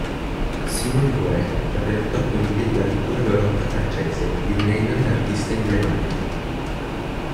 Simon Vouet rappresentò quindi la pittura barocca francese, divenendone l'artista emblematico.